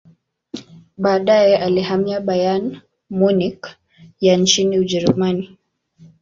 baadae alihamia Bayern Munich ya nchini ujerumani